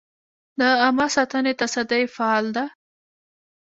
د عامه ساتنې تصدۍ فعال ده؟